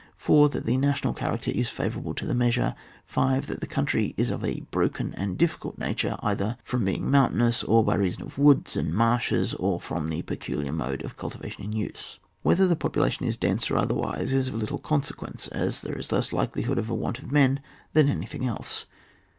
4. That the national character is favourable to the measure. 5. That the country is of a broken and diflicult nature, either from being moun tainous, or by reason of woods and marshes, or from the peculiar mode of cultivation in use. Whether the poptdation is dense or otherwise, is of little consequence, as there is less likelihood of a want of men than of anything else.